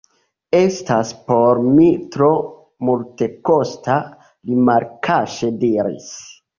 Estas por mi tro multekosta, li malkaŝe diris.